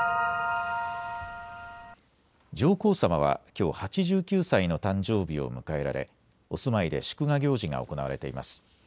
上皇さまは、きょう８９歳の誕生日を迎えられお住まいで祝賀行事が行われています。